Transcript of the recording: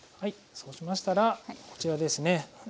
そうしましたらこちらですね。